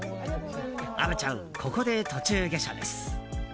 虻ちゃん、ここで途中下車です。